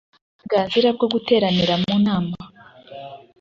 Uburenganzira bwo guteranira mu nama